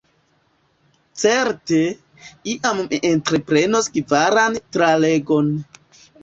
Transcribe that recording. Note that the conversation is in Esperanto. Certe, iam mi entreprenos kvaran tralegon.